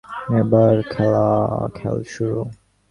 এবার খেল শুরু।